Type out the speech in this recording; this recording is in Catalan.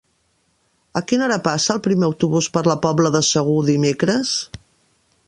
A quina hora passa el primer autobús per la Pobla de Segur dimecres?